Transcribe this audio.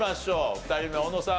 ２人目小野さん